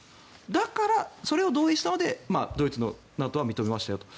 だからそれを同意したのでドイツのＮＡＴＯは認めましたよと。